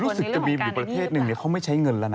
รู้สึกจะมีอีกประเทศนึงอย่างนี้เขาไม่ใช้เงินแล้วน่ะ